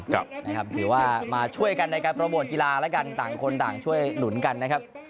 ถือว่ามาช่วยกันในการโปรโมทกีฬาแล้วกันต่างคนต่างช่วยหนุนกันนะครับ